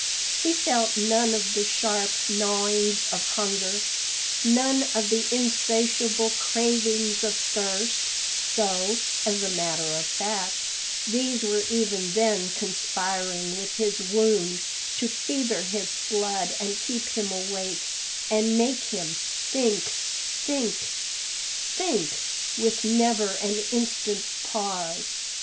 He felt none of the sharp gnawings of hunger, none of the insatiable cravings of thirst, though, as a matter of fact, these were even then conspiring with his wound to fever his blood and keep him awake, and make him think, think, think with: never an instant's pause.